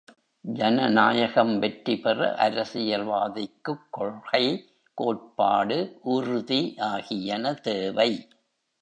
ஜனநாயகம் வெற்றி பெற அரசியல் வாதிக்குக் கொள்கை, கோட்பாடு உறுதி ஆகியன தேவை.